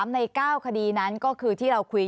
ใน๙คดีนั้นก็คือที่เราคุย